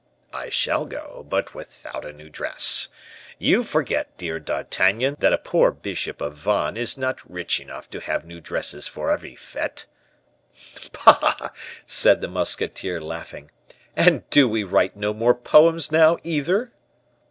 "I shall go, but without a new dress. You forget, dear D'Artagnan, that a poor bishop of Vannes is not rich enough to have new dresses for every fete." "Bah!" said the musketeer, laughing, "and do we write no more poems now, either?"